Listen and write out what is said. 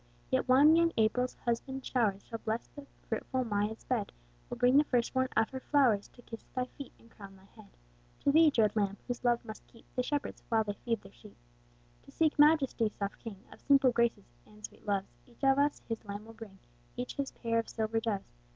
Yet when young April's husband showers Shall bless the fruitful Maia's bed, We'll bring the first born of her flowers, To kiss thy feet, and crown thy head. To thee (dread lamb) whose love must keep The shepherds, while they feed their sheep. To seek Majesty, soft king Of simple graces, and sweet loves, Each of us his lamb will bring, Each his pair of silver doves.